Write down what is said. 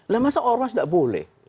lah masa ormas tidak boleh